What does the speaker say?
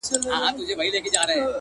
چي مرور نه یم. چي در پُخلا سم تاته.